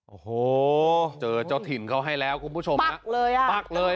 โอ้โหเจอเจ้าถิ่นเขาให้แล้วคุณผู้ชมฮะเลยอ่ะปักเลย